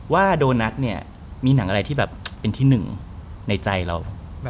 ว่าโดนัทมีหนังอะไรที่เป็นที่๑ในใจเรา